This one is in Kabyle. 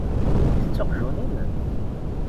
Itett uqjun-im?